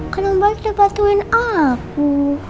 kan om bay udah bantuin aku